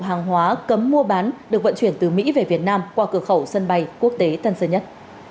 hàng hóa cấm mua bán được vận chuyển từ mỹ về việt nam qua cửa khẩu sân bay quốc tế tân sơn nhất